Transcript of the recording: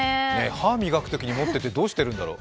歯磨くとき持っててどうするんだろう？